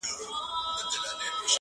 • ورور په وینو لمبولی نښانه د شجاعت وي -